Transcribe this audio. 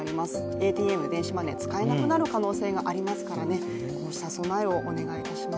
ＡＴＭ、電子マネー、使えなくなる可能性がありますから、こうした備えをお願いいたします。